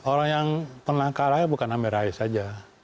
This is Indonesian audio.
orang yang pernah kalah bukan amin rais saja